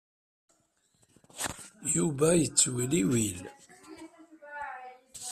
Yuba yella yettewliwil.